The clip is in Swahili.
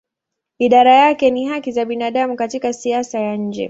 Idara yake ni haki za binadamu katika siasa ya nje.